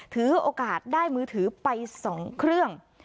ถือโอกาสได้มือถือไป๒เครื่อง